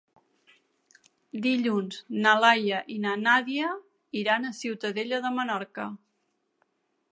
Dilluns na Laia i na Nàdia iran a Ciutadella de Menorca.